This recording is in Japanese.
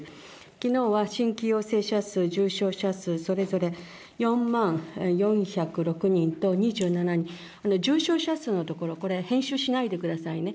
きのうは新規陽性者数、重症者数それぞれ４万４０６人と２７人、重症者数のところ、編集しないでくださいね。